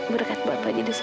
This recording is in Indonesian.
berkat bapak jadi saya sadar